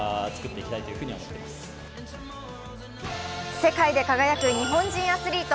世界で輝く日本人アスリート。